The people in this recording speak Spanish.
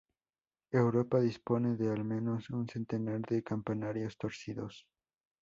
Europa dispone de al menos un centenar de campanarios torcidos.